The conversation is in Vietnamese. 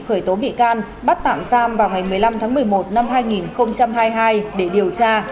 khởi tố bị can bắt tạm giam vào ngày một mươi năm tháng một mươi một năm hai nghìn hai mươi hai để điều tra